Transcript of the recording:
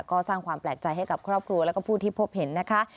ก็สร้างความแปลกใจให้กับครอบครัวแล้วก็ผู้ที่พบเห็นนะคะ